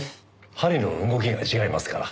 針の動きが違いますから。